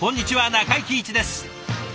中井貴一です。